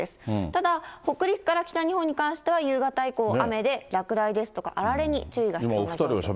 ただ、北陸から北日本に関しては、夕方以降雨で、落雷ですとかあられに注意が必要です。